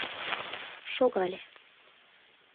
Шогале